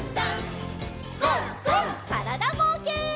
からだぼうけん。